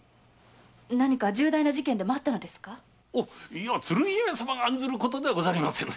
いや鶴姫様が案ずることではござりませぬ。